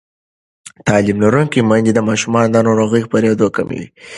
تعلیم لرونکې میندې د ماشومانو د ناروغۍ خپرېدل کموي.